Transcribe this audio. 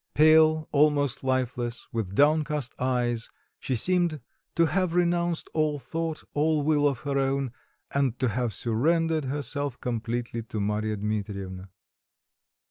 Pale, almost lifeless, with downcast eyes, she seemed to have renounced all thought, all will of her own, and to have surrendered herself completely to Marya Dmitrievna.